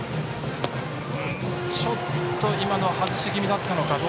ちょっと、今のは外し気味だったのか。